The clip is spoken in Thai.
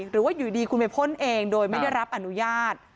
หรือว่าอยู่ดีคุณไปพ่นเองโดยไม่ได้รับอนุญาต